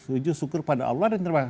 wujud syukur pada allah dan kebenaran